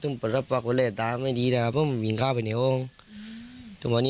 เต้วนั้นขนที่บ้านเรามีใครบ้างยังไหน